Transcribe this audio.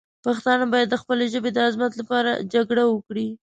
پښتانه باید د خپلې ژبې د عظمت لپاره جګړه وکړي.